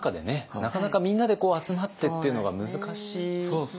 なかなかみんなでこう集まってっていうのが難しい。